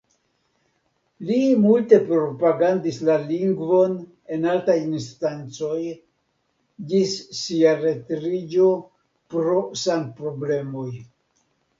Li multe propagandis la lingvon en altaj instancoj, ĝis sia retiriĝo pro sanproblemoj.